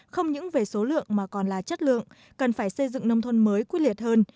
không những về số lượng mà còn là chất lượng cần phải xây dựng nông thôn mới quyết liệt hơn